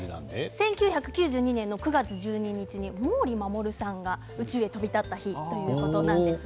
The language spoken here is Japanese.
１９９２年９月１２日に毛利衛さんが宇宙に飛び立った日ということです。